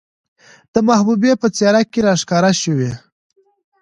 د محبوبې په څېره کې راښکاره شوې،